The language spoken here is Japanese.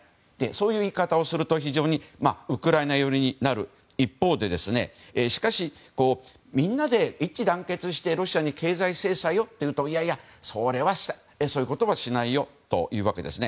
そういう言い方をすると非常にウクライナ寄りになる一方でしかし、みんなで一致団結してロシアに経済制裁を、と言うといやいや、そういうことはしないよというわけです。